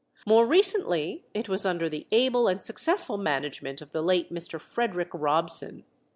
More recently it was under the able and successful management of the late Mr. Frederick Robson.